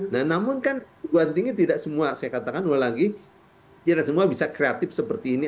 nah namun kanguan tinggi tidak semua saya katakan dua lagi tidak semua bisa kreatif seperti ini